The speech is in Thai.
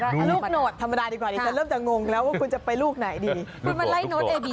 ลูกโนธธรรมดาดีกว่าฉันเริ่มจะงงแล้วว่าคุณจะไปลูกไหนดี